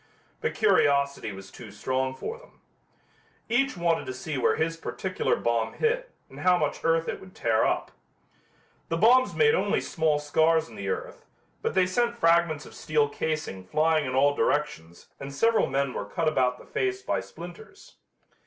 But curiosity was too strong for them. Each wanted to see where his particular bomb hit and how much earth it would tear up. The bombs made only small scars in the earth, but they sent fragments of steel casing flying in all directions and several men were cut about the face by splinters.